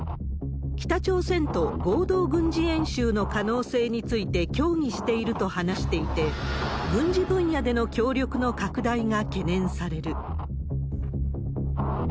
北朝鮮と合同軍事演習の可能性について協議していると話していて、軍事分野での協力の拡大が懸念される。